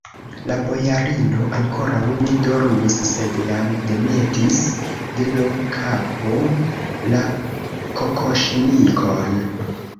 La bojarino ankoraŭ ne dormis, sed jam demetis de l' kapo la kokoŝnikon.